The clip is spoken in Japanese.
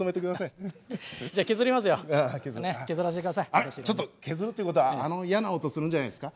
「あっちょっと削るっていうことはあの嫌な音するんじゃないですか？」。